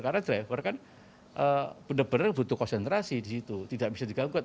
karena driver kan benar benar butuh konsentrasi di situ tidak bisa digangguat